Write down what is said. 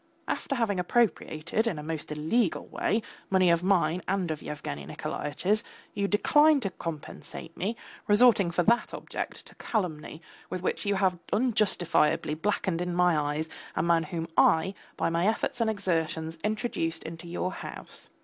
After having appropriated, in a most illegal way, money of mine and of Yevgeny Nikolaitch's, you decline to compensate me, resorting for that object to calumny with which you have unjustifiably blackened in my eyes a man whom I, by my efforts and exertions, introduced into your house.